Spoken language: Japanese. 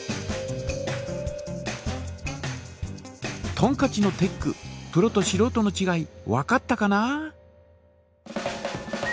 とんかちのテックプロとしろうとのちがいわかったかな？